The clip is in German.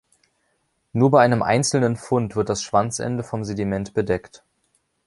Nur bei einem einzelnen Fund wird das Schwanzende vom Sediment bedeckt.